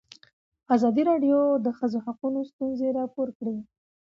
ازادي راډیو د د ښځو حقونه ستونزې راپور کړي.